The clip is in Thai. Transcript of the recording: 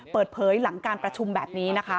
เปิดเผยหลังการประชุมแบบนี้นะคะ